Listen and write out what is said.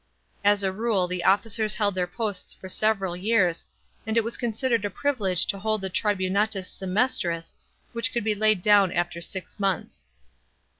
As a rule the officers held their posts for several years, and it was considered a privilege to hold the tribunatus semestris, which could be laid down after six months.